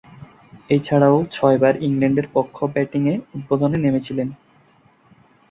এছাড়াও ছয়বার ইংল্যান্ডের পক্ষ ব্যাটিং উদ্বোধনে নেমেছিলেন।